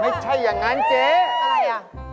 ไม่ใช่อย่างนั้นเจ๊